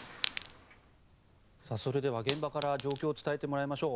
それでは現場から状況を伝えてもらいましょう。